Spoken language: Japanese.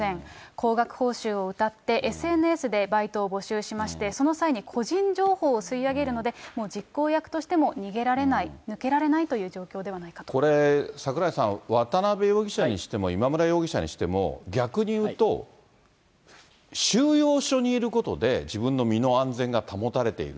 高額報酬をうたってＳＮＳでバイトを募集しまして、その際に個人情報を吸い上げるので、もう実行役としても逃げられない、抜けられないという状況ではないこれ、櫻井さん、渡辺容疑者にしても、今村容疑者にしても、逆にいうと、収容所にいることで自分の身の安全が保たれている。